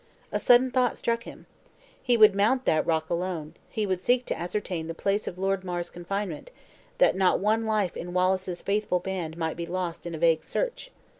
A sudden thought struck him. He would mount that rock alone; he would seek to ascertain the place of Lord Mar's confinement; that not one life in Wallace's faithful band might be lost in a vague search.